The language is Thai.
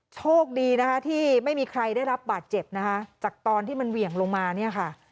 โชคดีนะคะที่ไม่มีใครได้รับบาดเจ็บนะคะจากตอนที่มันเหวี่ยงลงมาเนี่ยค่ะ